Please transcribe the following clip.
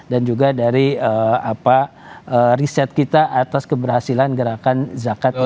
dan juga dari apa riset kita atas keberhasilan gerakan zakat